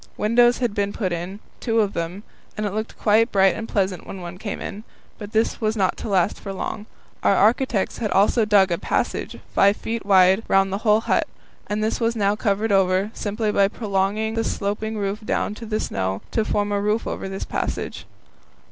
Windows had been put in two of them and it looked quite bright and pleasant when one came in; but this was not to last for long. Our architects had also dug a passage, 5 feet wide, round the whole hut, and this was now covered over, simply by prolonging the sloping roof down to the snow to form a roof over this passage.